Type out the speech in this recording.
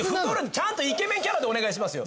ちゃんとイケメンキャラでお願いしますよ。